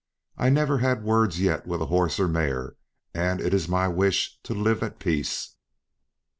I never had words yet with horse or mare, and it is my wish to live at peace."